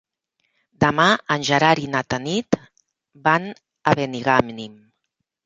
Demà en Gerard i na Tanit van a Benigànim.